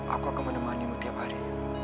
aku akan menemanimu tiap hari